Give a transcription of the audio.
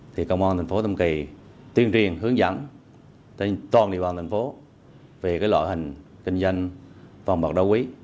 thì công an thành phố tâm kỳ tuyên truyền hướng dẫn toàn địa bàn thành phố về loại hình kinh doanh vàng vàng đá quý